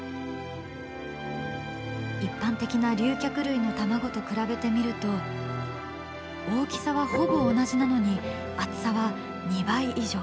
一般的な竜脚類の卵と比べてみると大きさはほぼ同じなのに厚さは２倍以上。